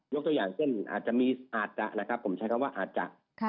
ยกตัวอย่างเช่นอาจจะนะครับผมใช้คำว่าอาจจะ